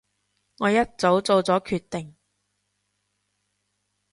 我一早做咗決定